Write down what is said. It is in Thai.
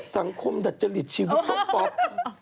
สังคมดัจจริตชีวิตตกปลอบ